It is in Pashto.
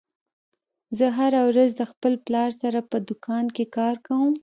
زه هره ورځ د خپل پلار سره په دوکان کې کار کوم